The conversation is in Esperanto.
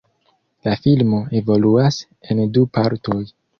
La filmo evoluas en du partoj.